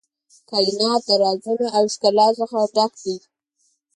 کائنات د رازونو او ښکلا څخه ډک دی.